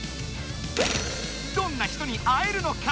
どんな人に会えるのか？